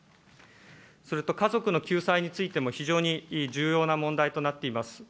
それと家族の救済についても非常に重要な問題となっています。